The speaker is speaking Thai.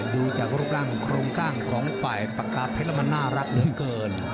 ดูจากรูปร่างโครงสร้างของฝ่ายปากกาเพชรแล้วมันน่ารักเหลือเกิน